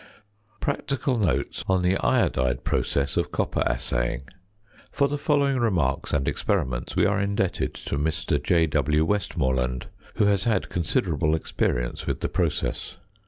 PRACTICAL NOTES ON THE IODIDE PROCESS OF COPPER ASSAYING. For the following remarks and experiments we are indebted to Mr. J.W. Westmoreland, who has had considerable experience with the process.